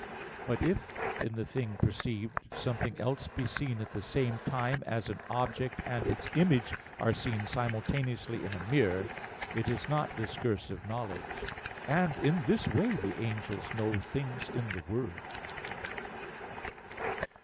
But if in the thing perceived something else be seen at the same time, as an object and its image are seen simultaneously in a mirror, it is not discursive knowledge. And in this way the angels know things in the Word.